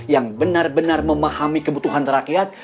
yang benar benar memahami kebutuhan rakyat